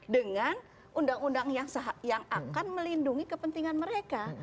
dengan undang undang yang akan melindungi kepentingan mereka